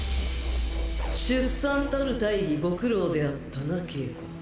出産たる大儀ご苦労であったな茎子。